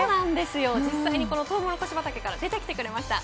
実際にこのトウモロコシ畑から出てきてくれました。